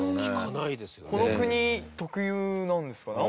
この国特有なんですかね？